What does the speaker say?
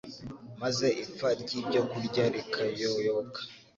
maze ipfa ry’ibyokurya rikayoyoka.